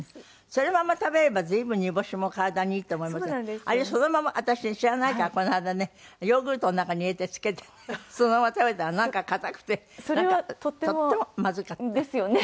そのまま食べれば随分煮干しも体にいいと思いますがあれそのまま私知らないからこの間ねヨーグルトの中に入れて漬けてねそのまま食べたらなんか硬くてとってもまずかった。ですよね。